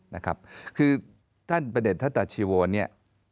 นะครับคือท่านประเด็จทัตตาชีโวเนี่ย